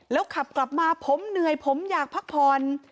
แล้วขับกลับมาผมเหนื่อยผมอยากพักผ่อน